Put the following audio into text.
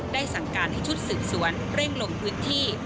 สั่งการให้ชุดสืบสวนเร่งลงพื้นที่